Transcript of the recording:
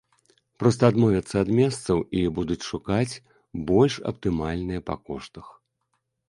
Проста адмовяцца ад месцаў і будуць шукаць больш аптымальныя па коштах.